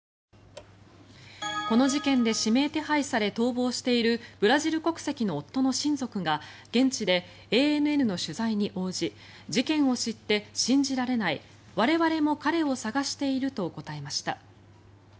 この事件で指名手配され逃亡しているブラジル国籍の夫の親族が現地で、ＡＮＮの取材に応じ事件を知って、信じられない我々も彼を捜していると答えました。